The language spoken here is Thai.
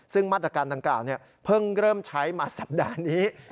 ซึ่งมาตรการดังกล่าวเพิ่งเริ่มใช้มาสัปดาห์นี้